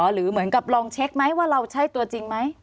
หรือเหมือนกับลองเช็คไหมว่าเราใช่ตัวจริงไหม